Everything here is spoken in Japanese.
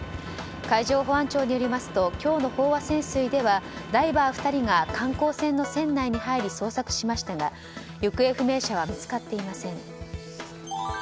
海上保安庁によりますと今日の飽和潜水ではダイバー２人が観光船の船内に入り捜索しましたが行方不明者は見つかっていません。